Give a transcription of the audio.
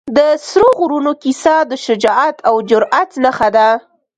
د سرو غرونو کیسه د شجاعت او جرئت نښه ده.